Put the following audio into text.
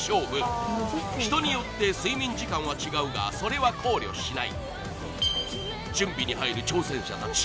果たして人によって睡眠時間は違うがそれは考慮しない準備に入る挑戦者たち